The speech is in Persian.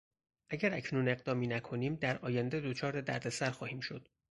اگر اکنون اقدامی نکنیم در آینده دچار دردسر خواهیم شد.